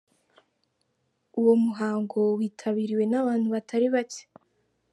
Uwo muhango witabiriwe n'abantu batari bake.